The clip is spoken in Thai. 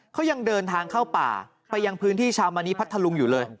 เขายังเดินทางเข้าป่าไปยังพื้นที่ชาวมณีพัทธลุงอยู่เลย